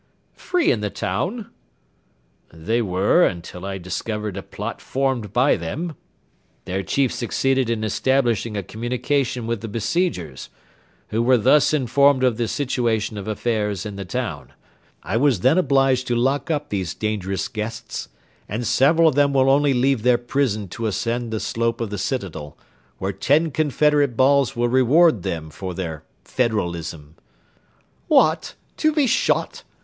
"Free in the town?" "They were until I discovered a plot formed by them: their chief succeeded in establishing a communication with the besiegers, who were thus informed of the situation of affairs in the town. I was then obliged to lock up these dangerous guests, and several of them will only leave their prison to ascend the slope of the citadel, where ten confederate balls will reward them for their federalism." "What! to be shot!"